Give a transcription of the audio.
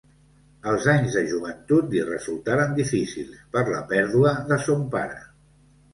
Els anys de joventut li resultaren difícils, per la pèrdua de son pare.